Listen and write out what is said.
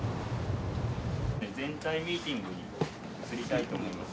全体ミーティングに移りたいと思います。